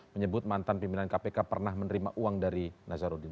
menyebut mantan pimpinan kpk pernah menerima uang dari nazarudin